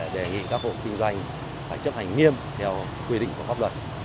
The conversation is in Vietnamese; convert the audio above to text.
đề nghị các hộ kinh doanh phải chấp hành nghiêm theo quy định của pháp luật